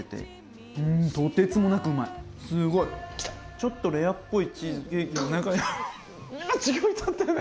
ちょっとレアっぽいチーズケーキの中に。